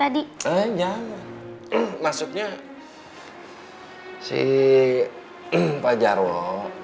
aku yang harusnya minta maaf